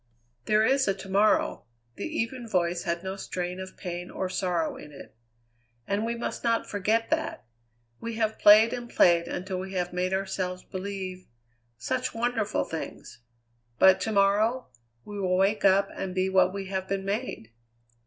"There is a to morrow." The even voice had no strain of pain or sorrow in it. "And we must not forget that. We have played and played until we have made ourselves believe such wonderful things; but to morrow we will wake up and be what we have been made!